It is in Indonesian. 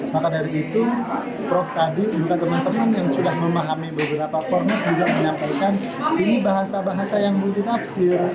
maka dari itu prof tadi dan teman teman yang sudah memahami beberapa kornus juga menyampaikan ini bahasa bahasa yang mudik tafsir